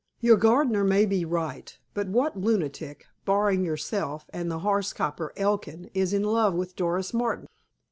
"Your gardener may be right. But what lunatic, barring yourself and the horse coper, Elkin, is in love with Doris Martin?"